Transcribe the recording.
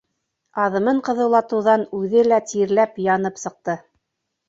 Аҙымын ҡыҙыулатыуҙан үҙе лә тирләп-янып сыҡты.